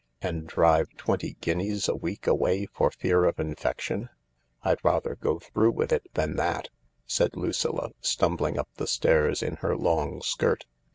" And drive twenty guineas a week away for fear of infec tion ? I'd rather go through with it than that," said Lucilla, stumbling up the stairs in her long skirt.